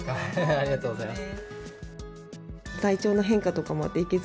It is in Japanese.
ありがとうございます。